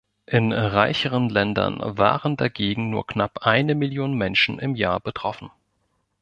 In reicheren Ländern waren dagegen nur knapp eine Million Menschen im Jahr betroffen.